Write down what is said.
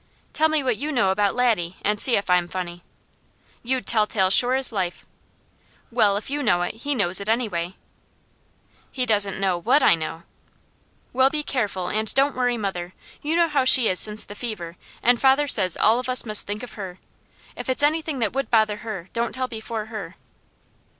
"Tell me what you know about Laddie, and see if I'm funny." "You'd telltale sure as life!" "Well, if you know it, he knows it anyway." "He doesn't know WHAT I know." "Well, be careful and don't worry mother. You know how she is since the fever, and father says all of us must think of her. If it's anything that would bother her, don't tell before her."